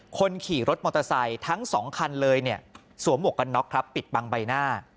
คนขี่รถมอเตอร์ไซค์ทั้งสองคันเลยเนี่ยสวมหมวกกันน็อกครับปิดบังใบหน้า